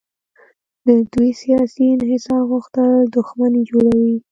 د دوی سیاسي انحصار غوښتل دښمني جوړوي.